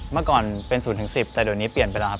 เมื่อก่อนเป็น๐๑๐แต่เดี๋ยวนี้เปลี่ยนไปแล้วครับ